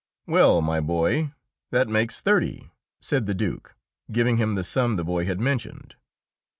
"Well, my boy, that makes thirty," said the Duke, giving him the sum the boy had mentioned.